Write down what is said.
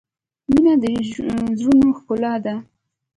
• مینه د زړونو ښکلا ده.